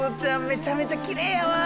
めちゃめちゃきれいやわ！